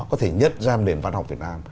có thể nhận ra nền văn học việt nam